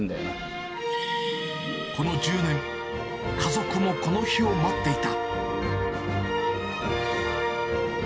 この１０年、家族もこの日を待っていた。